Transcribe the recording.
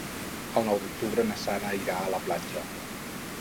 El nou d'octubre na Sara irà a la platja.